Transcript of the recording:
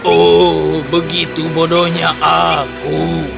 oh begitu bodohnya aku